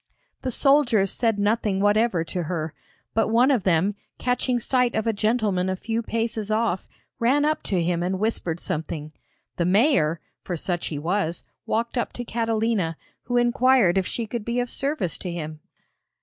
The soldiers said nothing whatever to her, but one of them, catching sight of a gentleman a few paces off, ran up to him and whispered something. The mayor, for such he was, walked up to Catalina, who inquired if she could be of service to him.